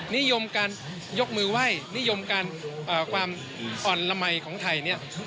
นิยมการยกมือไหว้นิยมการความอ่อนละมัยของไทยเนี่ย